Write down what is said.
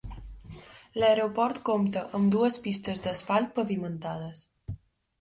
L'aeroport compta amb dues pistes d'asfalt pavimentades.